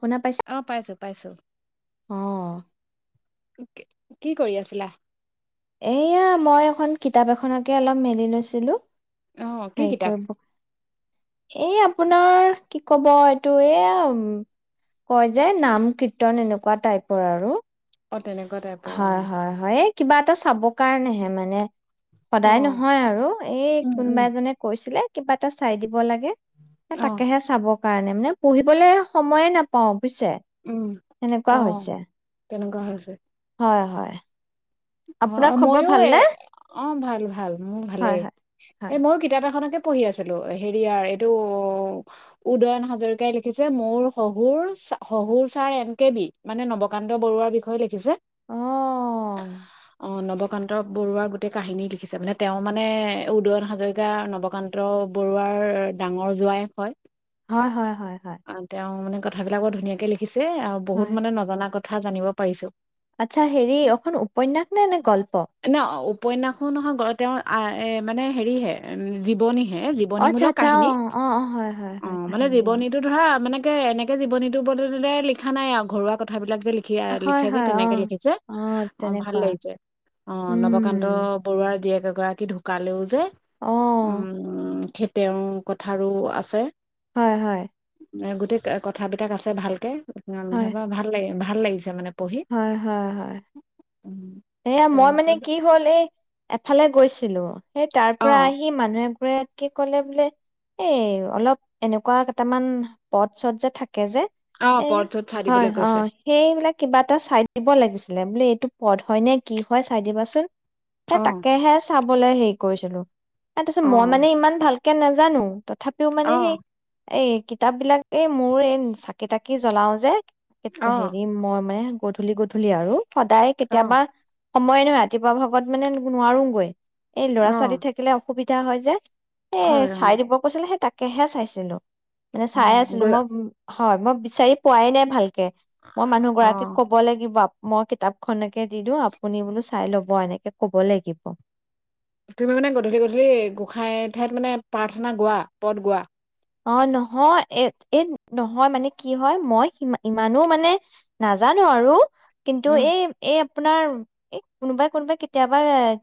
শুনা পাইছা? অ', পাইছো। পাইছোঁ। অ'। কি কৰি আছিলা? এয়া মই এখন কিতাপ এখনকে অলপ মেলি লৈছিলো। অ কি সেই কিতাপ কৰিব এই আপোনাৰ কি ক'ব এইটো এ কয় যে নাম কীৰ্তন এনেকুৱা টাইপৰ আৰু। অ', তেনেকুৱা টাইপৰ অ'। হয়, হয়, হয়, এই কিবা এটা চাব কাৰণেহে মানে। অ সদায় নহয় আৰু এই উম উম কোনবা এজনে কৈছিলে। কিবা এটা চাই দিব ব লাগে এ, অ তাকেহে চাব। কাৰণে মানে পঢ়িবলে সময়ে নাপাওঁ। বুজিছে, উম সেনেকুৱা অ হৈছে। তেনেকুৱা হৈছে হয় হয়। আপোনাৰ অ খবৰ মইয়ো এ ভালনে? অ ভাল ভাল, মোৰ হয়, ভালেই। হয়, এ হয়, ময়ো কিতাপ এখনকে। পঢ়ি আছিলো হেৰিয়াৰ এইটো উদয়ন হাজৰিকাই লিখিছে, মোৰ শহুৰ শহুৰ ছাৰ এন কে বি মানে, নৱকান্ত বৰুৱাৰ বিষয়ে লিখিছে। আহ। অ নৱকান্ত বৰুৱাৰ গোটেই কাহিনী লিখিছে, মানে তেওঁ মানে উদয়ন হাজৰিকা নৱকান্ত বৰুৱাৰ ডাঙৰ জোৱাই হয়। হয় হয় হয় হয়। কথা বিলাক ও ধুনীয়াকে লিখছে। আৰু বহুত হয়, মানে নজনা কথা। কথা জানিব পাৰিছো আচ্ছা হেৰি অখন উপন্যাস নাই নে গল্প ন উপন্যাসো নহয় তেওঁৰ আ মানে হেৰিহে জীৱনী অ', জীৱনী আচ্ছা মূলক আচ্ছা কাহিনী অ', অ', অ', হয় হয় অ হয় মানে কাহিনী অ', জীৱনীটো ধৰা মানে এনেকে জীৱনীটো বদলিলে লিখা নাই আৰু ঘৰুৱা কথাবিলাক লিখি অ, হয় লিখে যে হয় তেনেকে অ', লিখিছে অ ভাল লাগিছে অ নৱকান্ত উম, বৰুৱা এগৰাকী ঢুকালেও যে অ', উম খ তেওঁৰ কথাৰো আছে হয় হয় এ গোটেই কথাবিলাক আছে ভালকে হয় যাবা ভাল লাগে ভাল লাগিছে মানে পঢ়ি হয় হয় হয় উম, এয়া মই মানে তাৰপিছত কি হ'ল এই এফালে গৈছিলো। তাৰ পৰা অ', আহি মানুহে কাত কি কলে বোলে এই অলপ এনেকুৱা কেইটামান পথ চদ যে থাকে তাক অ', যে এই পথটোত চাই হয় দিবলৈ অ কৈছে। সেইবিলাক কিবা এটা চাই দিব লাগিছিলে বোলে এইটো পথ - - হয় নে কি হয় চাই দিবাচোন। সে অ', তাকেহে চাব। বলে হেৰি কৰিছিলো। ত তাৰপিছত মই অ', মানে ইমান ভাল তাকে নাজানো। তথাপিও মানে সেই অ', এই কিতাপ বিলাক এই মোৰ এই চাকি তাকি জ্বলাও যে এক অ', হেৰি মই মানে গধূলি গধূলি আৰু সদায় অ', তেতিয়াবা সময় নহয় ৰাতিপুৱা ভাগত মানে নোৱাৰোগৈ এই ল'ৰা ছোৱালী অ', থাকিলে অসুবিধা হয় যে এ হয় অ', চাই দিব কৈছিলে হে তাক তাকেহে চাইছিলো মানে অ', চাই আছিলো গৈ মই হয় মই বিচাৰি পোৱাই নাই ভালকে মই মানুহ গৰাকীক অ', ক'ব লাগিব মই কিতাপখন এ দি দিওঁ আপুনি বোলো চাই লব এনেকে কব লাগিব। তুমি মানে গধূলি গধূলি গোঁসাই ঠাইত মানে প্ৰাৰ্থনা গোৱা পদ গোৱা? অ নহয় এ এ নহয় মানে কি হয় মই স ইমানো মানে নাজানো আৰু কিন্তু উম, এই এ আপোনাৰ এই কোনোবাই কোনোবাই কেতিয়াবা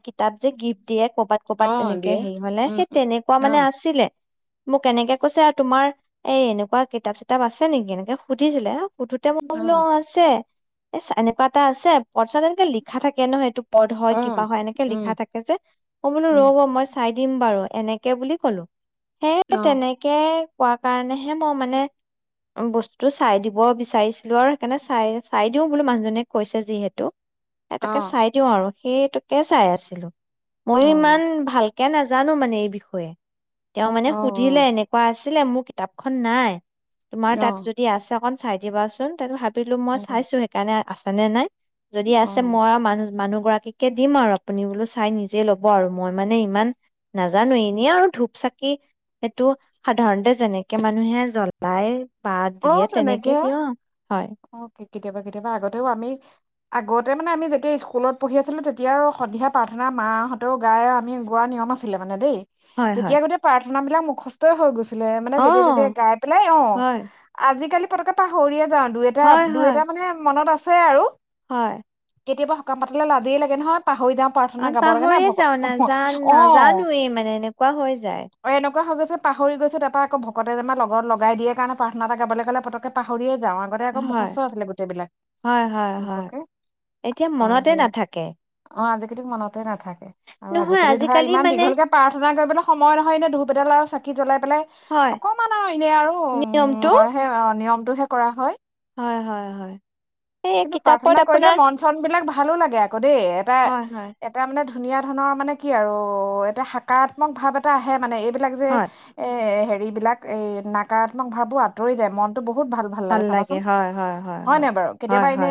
কিতাপ যে গিফ্ট দিয়ে ক'বাত ক'বাত অ', তেনেকে দিয়ে, হেই হ'লে, উম, সেই উম। তেনেকুৱা মানে অ', আছিলে। মোক এনেকে কৈছে আৰু তোমাৰ, এই এনেকুৱা কিতাপ চিতাপ আছে নেকি, এনেকে সুধিছিলে আৰু সুধোঁতে মই বুলো অ' আছে। এচ এনেকুৱা এটা আছে, পৰ্চাত এনেকে লিখা থাকে নহয় এইটো পদ হয়, অ', কিবা হয়, এনেকে উম, লিখা থাকে যে, মই বুলো উম, ৰ'ব মই চাই দিম বাৰু, এনেকে বুলি ক'লো। হেই অ', তেনেক কোৱা কাৰণেহে মই মানে, বস্তুটো চাই দিব বিচাৰিছিলো আৰু সেইকাৰণে চাই-চাই দিওঁ বুলো মানুহজনীয়ে কৈছে যিহেতু। এ তাকে অ', চাই দিওঁ আৰু। সেইটোকে চাই আছিলো। অ', মইও অ', ইমান ভাল কে নাজানো মানে এই বিষয়ে। তেওঁ মানে সুধিলে এনেক আছিলে মোৰ কিতাপখন নাই। তোমাৰ অ', তাত যদি আছে অকণ চাই দিবাচোন, তাতো হাত বিলো মই অ', চাইছোঁ সেইকাৰণে আ হয়নে নাই? যদি আছে অ', মই আৰু মানুহ-মানুহ গৰাকীকে দিম আৰু আপুনি বোলো চাই নিজে ল'ব আৰু, মই মানে ইমান নাজানো, এনেই আৰু ধূপ চাকি সেইটো সাধাৰণতে যেনেকে মানুহে জ্বলাই বা দিয়ে তেনেকে দিয়ক হয়। অ কে- কেতিয়াবা কেতিয়াবা আগতেও আমি, আগতে মানে আমি যেতিয়া স্কুলত পঢ়ি আছিলোঁ তেতিয়া আৰু সন্ধিয়া প্ৰাৰ্থনা মাহঁতেও গাই আৰু আমি গোৱা নিয়ম আছিলে মানে দেই। হয় হয় তেতিয়া গোটেই পাৰ্থ থনাবিলাক মুখস্থই হৈ গৈছে। ছিলে, মানে অ যেতিয়াই তেতিয়াই গাই পেলাই অ'। হয় আজিকালি পতককে পাহৰিয়ে যাওঁ, দুই এটা, হয় দুই হয় এটা মানে মনত আছে আছে আৰু হয়। কেতিয়াবা সকাম পাতিলে লাজেই লাগে নহয়। পাহৰি যাওঁ প্ৰাৰ্থনা গাব লাগে না পাহৰিয়ে ভকত যাওঁ অ', নাজান অ' নাজানোৱেই মানে এনেকুৱা হৈ যায় এনেকুৱা হৈ গৈ পাহৰি গৈছো তাৰপা আকৌ ভকতে যেনিবা লগত লগাই দিয়ে কাৰণে পাৰ্থ না এটা গাবলে ক'লে পতককে পাহৰিয়ে যাওঁ আগতে আকৌ হয়। মুখস্থ আছিলে গোটেই হয় হয় হয় বিলাককে এতিয়া মনতে সেই নাথাকে অ আজিকালি মনতে নাথাকে আৰু নহয় আজিকালি ধৰা ইমান মানে দীঘলকে প্ৰাৰ্থনা কৰিবলৈ সময় নহয় এনে ধুপ এডাল আৰু চাক কি জলে বোলে হয় অকমান আৰু এনে আৰু উম নিয়মটো অ নিয়মটোহে কৰা হয় হয় হয় হয় এই কিন্তু কিতাপত প্ৰাৰ্থনা কৰিলে আপোনাৰ মন চন বিলাক ভালো লাগে আকৌ দেই এটা হয় হয় এটা মানে ধুনীয়া ধৰণৰ মানে কি আৰু এটা সাকাত্মক ভাৱ এটা আহে মানে এই বিলাক যে হয় এ হেৰি বিলাক এই নাকাত্মক ভাৱো আঁতৰি যায় মন বহুত ভাল ভাল লাগে চাবাচোন হয় নে বাৰু কেতিয়াবা এনে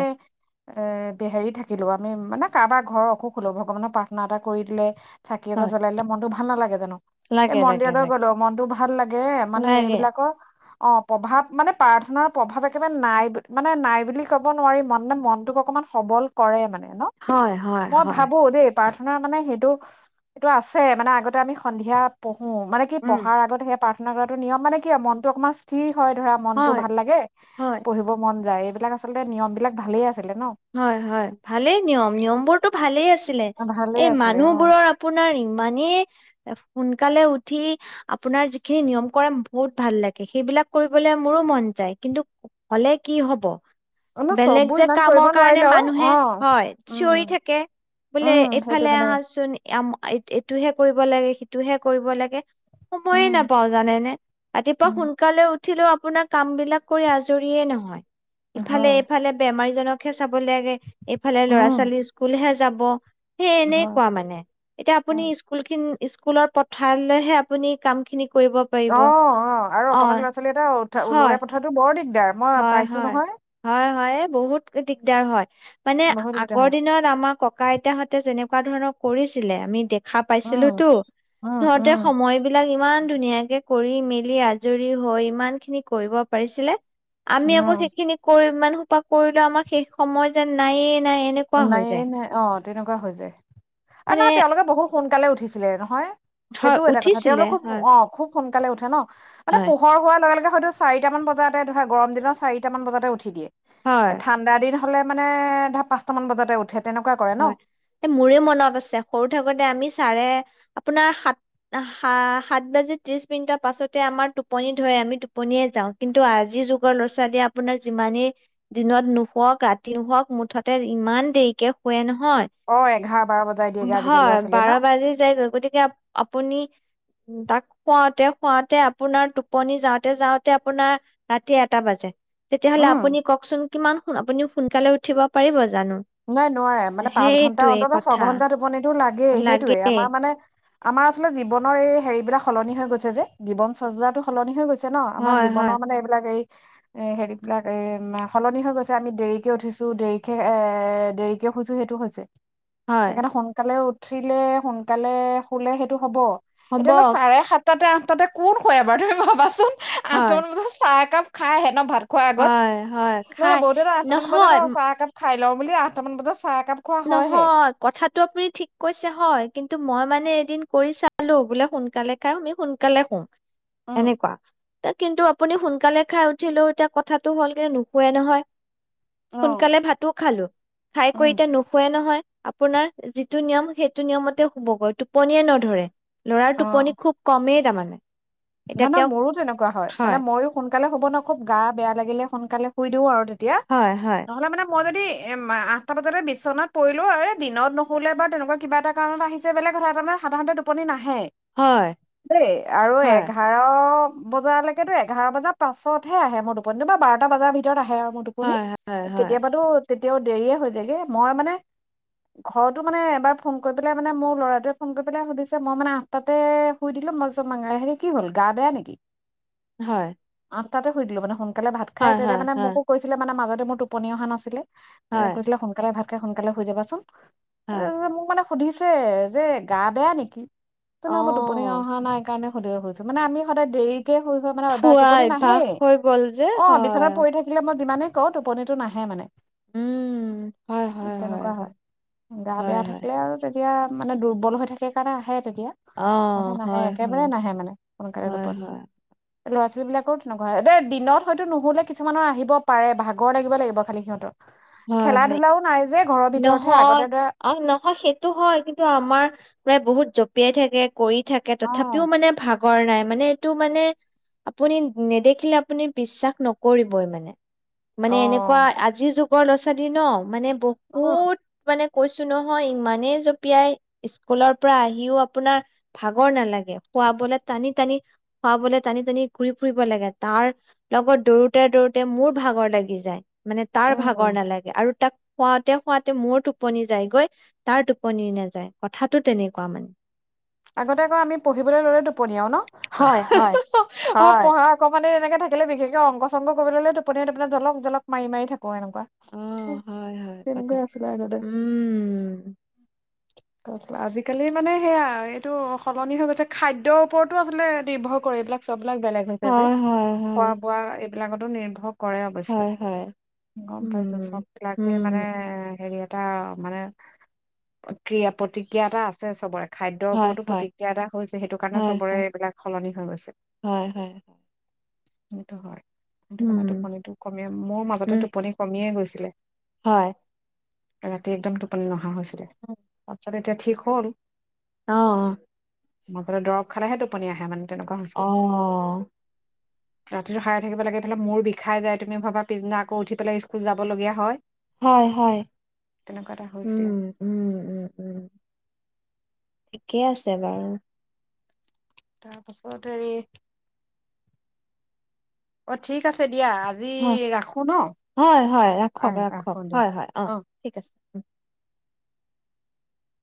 এ বে হেৰি থাকিলো আমি মানে কাৰোবাৰ ঘৰৰ অসুখ হলো ভগৱানৰ প্ৰাৰ্থনা এটা কৰি দিলে চাকি আক হয় জ্বলাই দিলে মনতটো ভাল নালাগে জানো এই লাগে লাগে মন্দিৰলৈ লাগে গলো মনতটো ভাল লাগে মানে লাগে এইবিলাকৰ অ প্ৰভাৱ মানে প্ৰাৰ্থনাৰ প্ৰভাৱ একেবাৰে নাই মানে নাই বুলি ক'ব নোৱাৰি মনে মনটোক অকমান সবল কৰে মানে ন হয় হয় মই হয় ভাবো দেই প্ৰাৰ্থনা মানে সেইটো সেইটো আছে মানে আগতে আমি সন্ধিয়া পঢ়ো উ মানে কি উম পঢ়াৰ আগতহে প্ৰাথনাউ প্ৰাৰ্থনা কৰাটো নিয়ম মানে কি মনটো অকণমান স্থিৰ হয় ধৰা মনতটো হয় ভাল লাগে হয় পঢ়িব মন যায় বিলাক আচলতে নিয়ম বিলাক ভালেই আছে হয় হয় ভালেই নিয়ম নিয়ম বোৰতো ভালেই আছে ছিলে ভালে এই আছিলে অ মানুহবোৰৰ আপোনাৰ ইমানেই সোনকালে উঠি আপোনাৰ যিখিনি নিয়ম কৰে বহুত ভাল লাগে সেইবিলাক কৰিবলৈ মোৰো মন যায় কিন্তু হলে কি হব মানে বেলেগ চববোৰ যে ইমান কৰিব কামক কাৰণে নোৱাৰিলেও অ মানুহে হয় উম চিঞৰি থাকে বোলে উম সেইটো এইফালে কাৰণে আহাচোন এইটোহে কৰিব লাগে সিটোহে কৰিব লাগে সময়ে উম নাপাও জানেনে ৰাতিপুৱা উম সোনকালে উঠিলেও আপোনাৰ কাম বিলাক কৰি আজৰিয়ে নহয় ইফালে হয় ইফালে বেমাৰী চাব লাগে এইফালে ল'ৰা উম ছোৱালী স্কুলহে যাব হে হয় এনেকোৱা মানে, এতিয়া আপুনি হয়। স্কুল খিন স্কুলত পথালেহে আপুনি কাম খিনি কৰিব অ', পাৰিব অ', আৰু অকমান ল'ৰা-ছোৱালী এটা উঠা হয় উওলাই পথাতো বৰ দিগ হয়, হয়, হয়, হয়, এ বহুত দিগদাৰ হয়, মানে বহুত দিগদাৰ আগৰ হয় দিনত আমাৰ ককা আইতাহতে যেনে কুৱা ধৰণৰ কৰিছিলে আমি দে খা উম পাইছিলোতো, উম সিহঁতে সময় বিলাক ইমান ধুনীয়াকে কৰি মেলি আজৰি হৈ ইমানখিনি কৰিব পাৰিছিলে। আমি আকৌ উম সেইখিনি কৰি মানুহ পা কৰিলে আমাৰ শেষ সময় যেন নায়েই। নাই, অ এনেকুৱা নাই হৈ যায়। নাই অ তেনেকুৱা হৈ যায়। আ, মানে নহয় তেওঁলোকে বহুত সোনকালে উঠিছিলে, নহয়। হয় হেইটোও এটা কথা, উঠিছিলে তেওঁলোক খুব হয়, অ' খুব। সোনকালে উঠে ন? মানে হয়, পোহৰ হোৱাৰ লগে লগে। হয়তো চাৰিটামন বজাতে ধৰা, গৰম দিনৰ চাৰিটামান বজাতে উঠি দিয়ে। এ হয়। ঠাণ্ডা দিন। হলে মানে, ধৰা পাঁচ টা মান বজাতে উঠে। তেনেকুৱা কৰে ন হয়, এ মোৰে মনত আছে, সৰুতে মানে আমি চাৰে আপোনাৰ সাত- সা-সাত বাজি ত্ৰিশ মিনিটৰ পাছতে আমাৰ টোপনি ধৰে, আমি টোপনিয়ে যাও, কিন্তু আজিৰ যুগৰ ল'ৰা ছোৱালীয়ে আপোনাৰ যিমানেই দিনত নুশুৱওক, ৰাতি নুহোওক মুঠতে ইমান দেৰিকে খোৱে নহ। হয়, অ এঘাৰ বাৰ বজাই দিয়েগে আজিকালি ভয়, ল'ৰা ছোৱালীয়ে বাৰ ন বাজি যায়গৈ, গতিকে আ-আপুনি উম, তাক খুৱাওঁতে-খুৱাওঁতে আপোনাৰ টোপনি যাওঁতে- যাওঁতে আপোনাৰ ৰাতি এটা বাজে। তেতিয়াহ'লে উম আপুনি কওকচোন? কিমান শুন আপুনিও। সোনকালে উঠিব পাৰিব য জানো। নাই নোৱাৰে, মানে পাঁচ ঘণ্টা সেইটোৱে অন্তত কথা ছঘণ্টা টোপনিটো লা গেই হেইটোয়ে, লাগে আমাৰ মানে আমাৰ আচলে জীৱনৰ এই হেৰি বিলাক সলনি হৈ গৈছে যে, গিৱন চৰ্যাটো সলনি হৈ গৈছে। ছে ন, আমাৰ হয়, হয়, জীৱনৰ মানে এইবিলাক এই এ হেৰিবলাক এই মা সলনি হৈ গৈছে, আমি দেৰিকে উঠিছো দেৰিকে এ এ দেৰিকে খুইছো সেইটো হৈছে। হয়, সেইকাৰণে সোনকালেও উঠিলে সোনকালে শুলে সেইটো হ'ব হ'ব, এতিয়া ন চাৰে সাত তাতে আঠটাতে কোন শুৱে এবাৰ তুমি ভাবাচোন হয়, আঠটামান বজাত চাহ কাপ খাইে ন ভাৰ খোৱাৰ আগত হয়, হয়, নহলে খাই বহুতে আঠটামান বজাত নহয়, উম, চাহ একাপ খাই লওঁ বুলি আঠটামান বজাত চাহ একাপ খোৱা হয়হে নহয় কথাটো আপুনি ঠিক কৈছে হয় কিন্তু মই মানে এদিন কৰি চালো বোলে সোনকালে খাই আমি সোনকালে শুওঁ উম এনেকুৱা কিন্তু আপুনি সোনকালে খাই উঠিলেও এতিয়া কথাটো হলগে নুশুৱে নহয় অ সোনকালে ভাতো খালো খাই কৈ উম নুশুৱে নহয় আপোনাৰ যিটো নিয়ম সেইটো নিয়মতে শুবগৈ টোপনিয়ে নধৰে। ল'ৰাৰ অ টোপনি খুব কমেই তাৰমানে। এতিয়া নহ নহ তেওঁক মোৰো তেনেকুৱা হয় মানে মইয়ো সোনকালে হ'ব ন খুব গা বেয়া লাগিলে। সোনকালে শুই দিও আৰু এতিয়া হয়, হয়, নহলে মানে মই যদি আঠটা বজাতে বিচনাত পৰিলো এই দিনত নশুলে বা তেনেকুৱা কিবা এটা কাৰণত আহিছে বেলেগ কথা এটা মানে সাধাৰণতে টোপনি নাহে হ হয়, দেই আৰু হয়। এক দহ বজালৈকেতো এঘাৰ বজাৰ পাছতহে আহে মই টোপনিটো বা বাৰটা বজাৰ ভিতৰত আহে আৰু মোৰ টোপনি কেতিয়াবাতো তেতিয়াও দেৰিয়ে হৈ যায়গে মই মানে ঘৰতো মানে এবাৰ ফোন কৰি পেলাই মানে মোৰ ল'ৰাটোৱে ফোন কৰি পেলাই সুধিছে মই মানে আঠটাতে শুই দিলো মই চব মাঙাৰ হেৰি কি হ'ল গা বেয়া নেকি? হয় আঠটাতে শুই দিলো মানে সোনকালে ভাত খাই তেতিয়া মানে মোকো কৈছিলে মানে মাজত মোৰ টোপনি অহা নাছিলে। ত কৈছিলে সোনকালে ভাত তে সোনকালে হৈ যাবচোন ম মানে সুধিছে যে গা বেয়া নেকি? টোপনি অহা নাই কাৰণে [unintelligible] মানে আমি সদায় দে হৈ হৈ মানে অভ্য়াস টোপনি নাহে অভ্যাস হৈ গ'ল যে। অ বিচনাত হয়। পৰি থাকিলে মই যিমানে ক টোপনিতটো নাহে মানে উম। হয় হয় তেনেকুৱা হয় গা হয় বেয়া হয়। থাকিলে আৰু এয়া মানে দুৰ্বল হৈ থাকে কাৰণে আহে তেতিয়া অ' মানে নাহে হয় একেবাৰে হয়। নাহে মানে মকতে হয় প হয়। ল'ৰা ছোৱালী বিলাকৰো তেনেকুৱা হয় দেই দিনত হয়তো নহলে কিছুমানৰ আহিব পাৰে ভাগৰ লাগিব লাগিব খালি সিহঁতৰ হয় খেলা হয় ধূলাও নাই যে ঘৰৰ ভিতৰতহে নহয় আগতে ধৰা অ নহয় সেইটো হয় কিন্তু আমাৰ প্ৰায় বহুত জপি য়ায় থাকে কৰি থাকে অ তথাপিও মানে ভাগ ভাগৰ নাই মানে এইটো মানে আপুনি নেদেখিলে আপুনি বিশ্বাস নকৰিবই মানে অ মানে এনেকুৱা আজিৰ যুগ [unintelligible] ল'ৰা ছোৱালী ন মানে বহুত মানে কৈছো নহয়, ইমানেই জঁপিয়াই। স্কুলৰ পৰা আহিও আপোনাৰ ভাগৰ নালাগে। খুৱাবলে টানি টানি খুৱাবলে টানি টানি ঘুৰি ফুৰিব লাগে। তাৰ লগত দৌৰোতে দৌৰোতে মোৰ ভাগৰ লাগি যায়। মান তাৰ ভাগ উম উম ভাগৰ নালাগে আৰু তাক খুৱাতে খুৱাতে মোৰ টোপনি যায়গৈ, তাৰ টোপনি নাযায়। কথাটো তেনেকুৱা মানে। আগতে এবাৰ আমি পঢ়িবলৈ ললেতো টোপনিয়াও নো? হয় হয় অ', হয় পঢ়া অকমানে এনেকে থাকিলে বিশেষকে অংক চংক কৰিবলৈ ললে টোপনিয়াই টোপনিয়াই জলক জলক মাৰি মাৰি থাকে। ক এনেকুৱা। অ', হয় হয় তেনেকুৱাইে আছিলে আগতে। কথাটো উম। [inaudible] আজিকালি মানে সেয়া। এইটো সলনি হৈ গৈছে। খাদ্যৰ ওপৰতো আচলতে নিৰ্ভৰ কৰে এইবিলাক চব। এই বিলাক বেলেগ হৈছে যে। হয় হয় খোৱা হয় বোৱা এই এই বিলাকতো নিৰ্ভৰ কৰে অৱশ্যে। হয় হয় গম পাইছো। চব বিলাকে মানে হেৰিয়াত এটা মানে ক্ৰিয়া-প্ৰতিক্ৰিয়া এটা আছে চবৰে। খাদ্যৰ ওপৰতো প্ৰতিক্ৰিয়া এটা হৈছে। সেইটো কাৰণে সবৰে এইবিলাক সলনি হৈ গৈছে। সেইতো হয়। সেইটো কাৰণে টোপনিটো কমে। মোৰ মাজতে টোপনি কমিয়ে গৈছে। ছিলে হয়। ৰাতি একদম টোপনি নহা হৈছে। তাৰপাছত এতিয়া ঠিক হ'ল? অ', অ'। [unintelligible] দৰব খালেহে টোপনি আহে মানে। তেনেকুৱা হৈছিলে অ'। ৰাতিটো সাৰে থাকিব লাগে, ইফালে মূৰ বিষাই যায়। তুমি ভাবা পিছদিনা আকৌ উঠি পেলাই স্কুল যাবলগীয়া হয়। হয়, হয়। তেনেকুৱা এটা উম, হৈছিলে উম, উম। উম। ঠিকে আছে বাৰু। তাৰপাছত হেৰি অ', ঠিক আছে। দিয়া আজি অ', ৰাখো ন হয়, হয়। ৰাখক, আহ ৰাখো ৰাখক। দিয়া হয়, হয়। অ', ঠিক আছে।